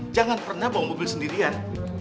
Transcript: jangan pernah bawa mobil sendirian